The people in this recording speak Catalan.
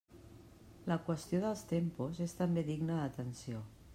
La qüestió dels tempos és també digna d'atenció.